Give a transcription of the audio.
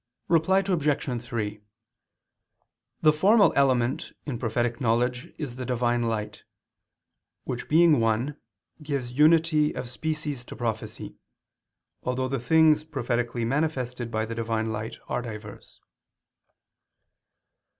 Reply Obj. 3: The formal element in prophetic knowledge is the Divine light, which being one, gives unity of species to prophecy, although the things prophetically manifested by the Divine light are diverse.